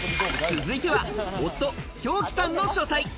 続いては、夫・兵紀さんの書斎。